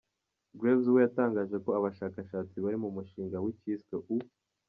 Graves we yatangaje ko abashakashatsi bari mu mushinga w’icyiswe’ U.